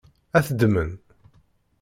Ad t-ddmen?